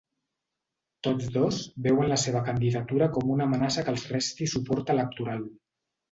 Tots dos veuen la seva candidatura com una amenaça que els resti suport electoral.